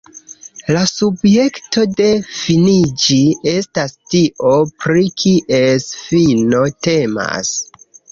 La subjekto de finiĝi estas tio, pri kies fino temas.